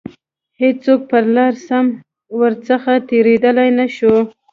هیڅوک پر لاره سم ورڅخه تیریدلای نه شو.